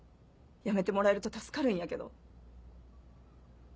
やめてもらえると助かるんやけど。